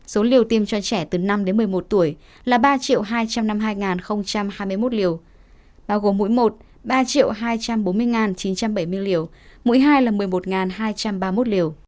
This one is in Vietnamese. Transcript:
số liều tiêm cho trẻ từ năm đến một mươi một tuổi là ba hai trăm năm mươi hai hai mươi một liều bao gồm mũi một ba hai trăm bốn mươi chín trăm bảy mươi liều mũi hai là một mươi một hai trăm ba mươi một liều